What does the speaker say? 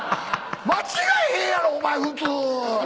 間違えへんやろ普通。